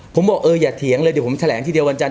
ผมบอกเอออย่าเถียงเลยเดี๋ยวผมแถลงทีเดียววันจัน